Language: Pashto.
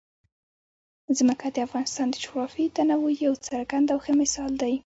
ځمکه د افغانستان د جغرافیوي تنوع یو څرګند او ښه مثال دی.